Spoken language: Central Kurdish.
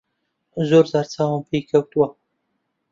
زۆر جار چاوم پێی کەوتووە.